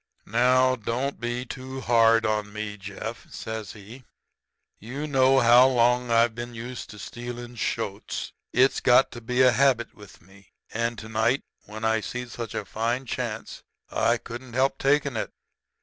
"'Now, don't be too hard on me, Jeff,' says he. 'You know how long I've been used to stealing shoats. It's got to be a habit with me. And to night, when I see such a fine chance, I couldn't help takin' it.'